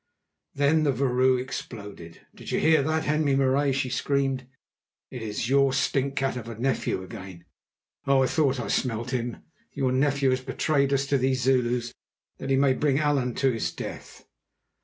Then the vrouw exploded. "Do you hear that, Henri Marais?" she screamed. "It is your stinkcat of a nephew again. Oh! I thought I smelt him! Your nephew has betrayed us to these Zulus that he may bring Allan to his death.